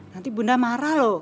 nanti bunda marah lho